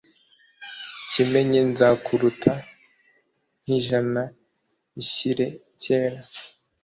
kimenyi nzakurata ntijana bishyire kera